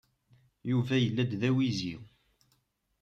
Yuba yella-d d awizi.